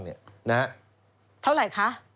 เท่าไหร่คะ